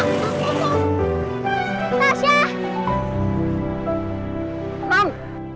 aku kangen banget sama kamu